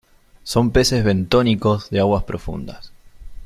Son peces bentónicos de aguas profundas.